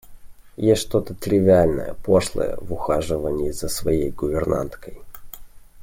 Есть что-то тривиальное, пошлое в ухаживаньи за своею гувернанткой.